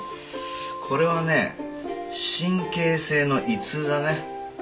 これはねえ神経性の胃痛だね。